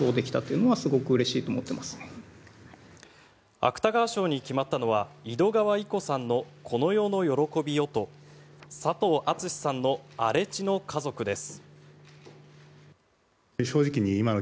芥川賞に決まったのは井戸川射子さんの「この世の喜びよ」と佐藤厚志さんの「荒地の家族」です。